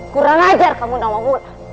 kurang ajar kamu nama muda